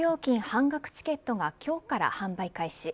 半額チケットが今日から販売開始。